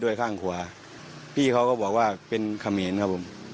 ด้วยข้างหัวพี่เขาก็บอกว่าเป็นเขมีนครับผม